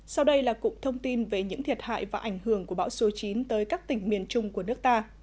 sau đây là cục thông tin về những thiệt hại và ảnh hưởng của bão số chín tới các tỉnh miền trung của nước ta